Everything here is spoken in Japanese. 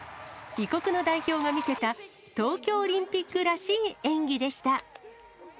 異国の代表が見せた、東京オリンピックらしい演技でした。